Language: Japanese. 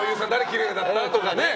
きれいだった？とかね。